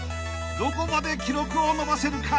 ［どこまで記録を伸ばせるか］